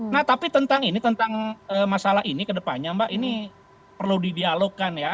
nah tapi tentang ini tentang masalah ini kedepannya mbak ini perlu didialogkan ya